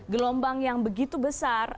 gelombang yang begitu besar